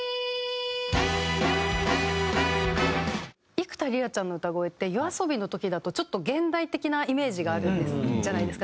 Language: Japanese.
幾田りらちゃんの歌声ってＹＯＡＳＯＢＩの時だとちょっと現代的なイメージがあるじゃないですか。